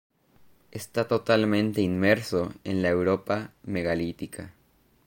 Está totalmente inmerso en la Europa megalítica.